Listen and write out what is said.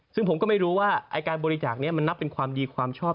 ซึ่งผมก็ไม่รู้ว่าการบริจาคนี้มันนับเป็นความดีความชอบ